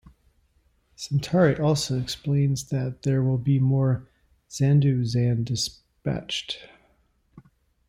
Centauri also explains that there will be more Zando-Zan dispatched.